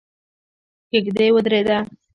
کېږدۍ ودرېده.